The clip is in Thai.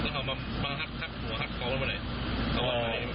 กินไม่เย็นครับ